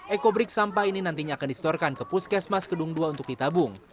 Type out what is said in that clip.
ekobrik sampah ini nantinya akan disetorkan ke puskesmas kedung ii untuk ditabung